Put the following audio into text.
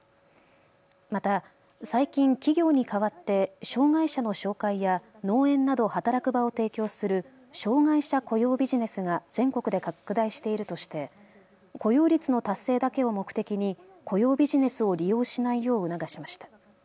また最近、企業に代わって障害者の紹介や農園など働く場を提供する障害者雇用ビジネスが全国で拡大しているとして雇用率の達成だけを目的に雇用ビジネスを利用しないよう促しました。